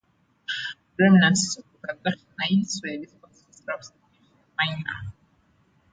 The remnants of the Ghassanids were dispersed throughout Asia Minor.